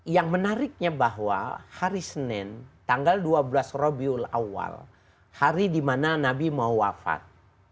yang menariknya bahwa hari senin tanggal dua belas rabiul awal hari di mana nabi mau wafat